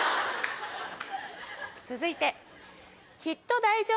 続いて。